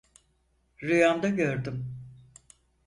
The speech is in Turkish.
Rüyamda gördüm.